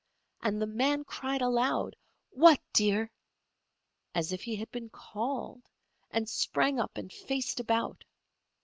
And the man cried aloud: "What, dear?" as if he had been called, and sprang up and faced about.